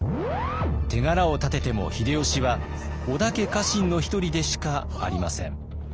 手柄を立てても秀吉は織田家家臣の一人でしかありません。